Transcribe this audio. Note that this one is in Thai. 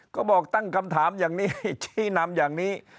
ก็บอกตั้งคำถามอย่างนี้ชี้นำอย่างนี้